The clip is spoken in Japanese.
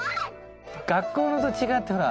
学校のと違ってほら。